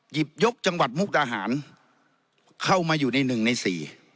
หยิบยกจังหวัดมุกดาหารเข้ามาอยู่ในหนึ่งในสี่